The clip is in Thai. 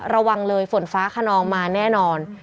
ระวังเลยฝนฟ้าขนองมาแน่นอน